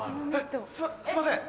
すいません！